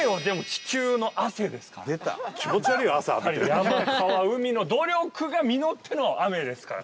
山、川、海の努力が実っての雨ですから。